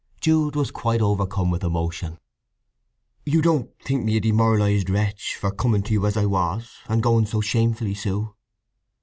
Jude was quite overcome with emotion. "You don't—think me a demoralized wretch—for coming to you as I was—and going so shamefully, Sue?"